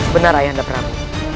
benar ayah dan perang